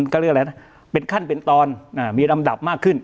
ก็เรียกอะไรนะเป็นขั้นเป็นตอนมีลำดับมากขึ้น